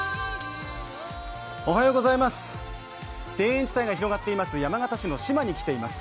田園違いが広がっています、山形市内の嶋に来ています。